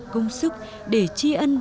công sức để tri ân